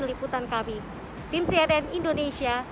liputan kami tim cnn indonesia